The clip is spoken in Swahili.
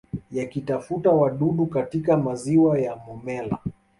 Yakitafuta wadudu katika maziwa ya Momella